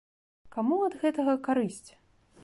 Каму ад гэтага карысць?